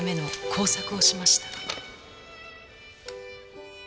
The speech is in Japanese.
工作をしました。